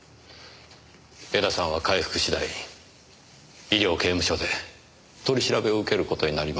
江田さんは回復次第医療刑務所で取り調べを受けることになります。